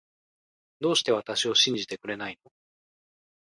どうして私を信じてくれないの